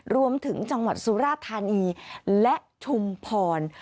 รวมถึงจังหวัดสุราธานีและชุมพร